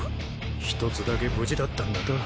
１つだけ無事だったんだと。